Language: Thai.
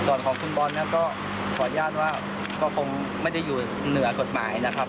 ส่วนของคุณบอลนะครับก็ขออนุญาตว่าก็คงไม่ได้อยู่เหนือกฎหมายนะครับ